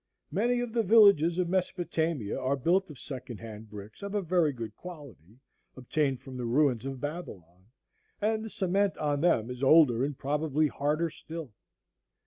Many of the villages of Mesopotamia are built of second hand bricks of a very good quality, obtained from the ruins of Babylon, and the cement on them is older and probably harder still.